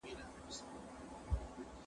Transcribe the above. کېدای سي خبري اوږدې سي!؟